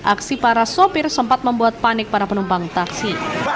aksi para sopir sempat membuat panik para penumpang taksi